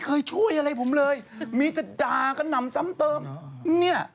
เผยช่วยอะไรผมเลยมีดา็กะนำซ้ำเติมเนี้ย